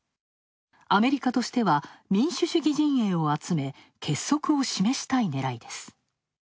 アメリカとしては民主主義陣営を集め結束を示したいねらいです。